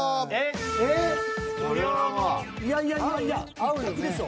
いやいやいやいや１択でしょ。